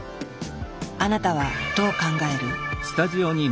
あなたはどう考える？